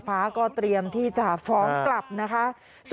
อย่างตอนนี้อย่างนะครับ